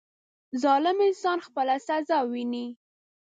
• ظالم انسان خپله سزا ویني.